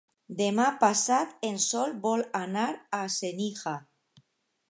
Demà passat en Sol vol anar a Senija.